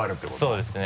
そうですね。